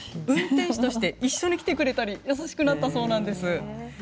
運転手として一緒に来てくれたり優しくなったそうなんです。